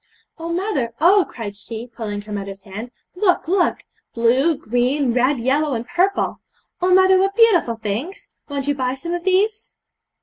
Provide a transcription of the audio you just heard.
'Oh, mother, oh!' cried she, pulling her mother's hand, 'look, look! blue, green, red, yellow, and purple! Oh, mother, what beautiful things! Won't you buy some of these?'